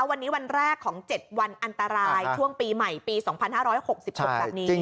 วันนี้วันแรกของ๗วันอันตรายช่วงปีใหม่ปี๒๕๖๖แบบนี้